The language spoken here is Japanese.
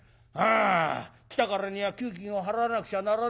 あ来たからには給金を払わなくちゃならねえ。